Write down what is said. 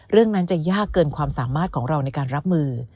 เรื่องนั้นจะยากเกินความสามารถของเราในการรับมือ